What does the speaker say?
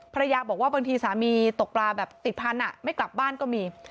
ภรรยาบอกว่าบางทีสามีตกปลาแบบติดพันธุ์ไม่กลับบ้านก็มี